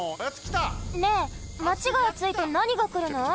ねえマチがあついとなにがくるの？